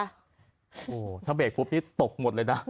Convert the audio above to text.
โอ้โหถ้าเบรกปุ๊บนี่ตกหมดเลยนะ